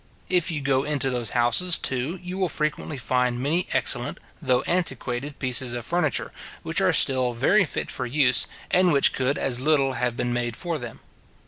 If you go into those houses, too, you will frequently find many excellent, though antiquated pieces of furniture, which are still very fit for use, and which could as little have been made for them.